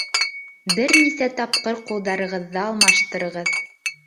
Бер нисә тапкыр ҡулдарығыҙҙы алмаштырығыҙ.